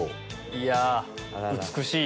いや美しい！